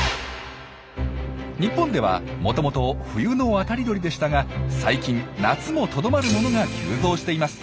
日本ではもともと冬の渡り鳥でしたが最近夏もとどまるものが急増しています。